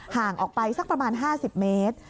ห่างออกไปสักประมาณ๕๐เมตร